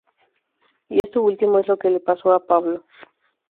Y esto último es lo que le pasa a Pablo.